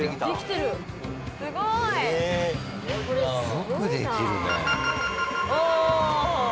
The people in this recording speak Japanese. すごい！